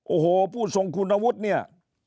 โอ้โหผู้ทรงคุณวุฒิเนี่ย